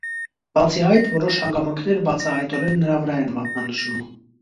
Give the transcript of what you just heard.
Բացի այդ, որոշ հանգամանքներ բացահայտորեն նրա վրա են մատնանշում։